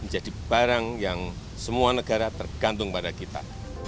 jadi barang yang semua negara tergantung pada kita